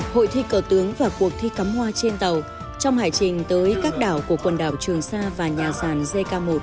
hội thi cờ tướng và cuộc thi cắm hoa trên tàu trong hải trình tới các đảo của quần đảo trường sa và nhà sàn jk một